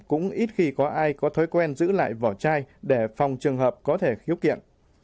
cũng ít khi có ai có thói quen giữ lại vỏ chai để phòng trường hợp có thể khiếu kiện